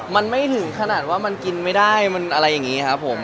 มันไม่ถึงขนาดว่ามันกินไม่ได้มันอะไรอย่างนี้ครับผม